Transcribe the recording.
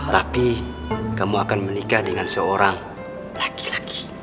tapi kamu akan menikah dengan seorang laki laki